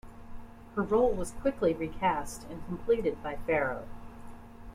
Her role was quickly recast and completed by Farrow.